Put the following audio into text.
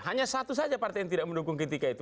hanya satu saja partai yang tidak mendukung ketika itu